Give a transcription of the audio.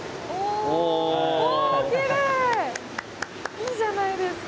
いいじゃないですか。